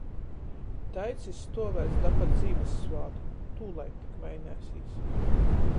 Taids jis stuovēs da pat Zīmyssvātku, tūlaik tik maineisīs.